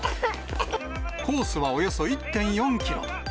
コースはおよそ１．４キロ。